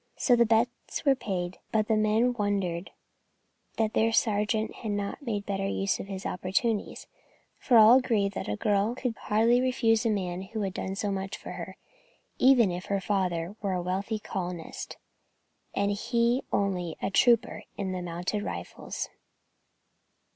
So the bets were paid, but the men wondered that their sergeant had not made a better use of his opportunities, for all agreed that a girl could hardly refuse a man who had done so much for her, even if her father were a wealthy colonist, and he only a trooper in the Mounted Rifles.